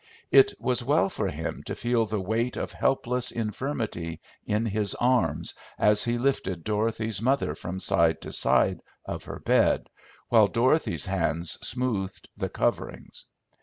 It was well for him to feel the weight of helpless infirmity in his arms as he lifted Dorothy's mother from side to side of her bed, while Dorothy's hands smoothed the coverings.